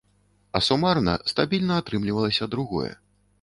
А сумарна стабільна атрымлівалася другое.